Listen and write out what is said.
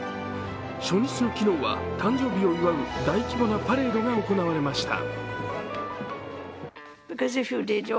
初日の昨日は誕生日を祝う大規模なパレードが行われました。